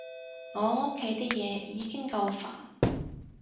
我屋企啲嘢已經夠煩